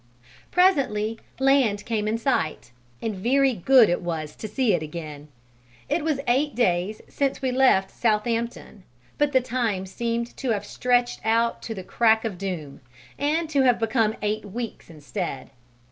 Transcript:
Presently land came in sight, and very good it was to see it again: it was eight days since we left Southampton, but the time seemed to have "stretched out to the crack of doom," and to have become eight weeks instead.